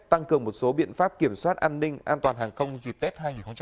tăng cường một số biện pháp kiểm soát an ninh an toàn hàng không dịch tết hai nghìn một mươi chín